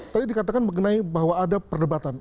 tadi dikatakan mengenai bahwa ada perdebatan